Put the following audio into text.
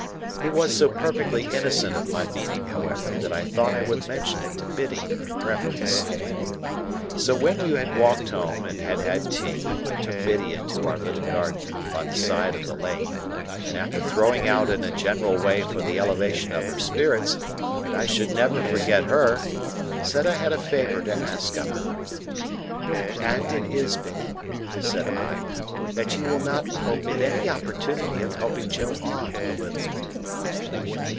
He was so perfectly innocent of my meaning, however, that I thought I would mention it to Biddy in preference. So, when we had walked home and had had tea, I took Biddy into our little garden by the side of the lane, and, after throwing out in a general way for the elevation of her spirits, that I should never forget her, said I had a favour to ask of her. "And it is, Biddy," said I, "that you will not omit any opportunity of helping Joe on, a little."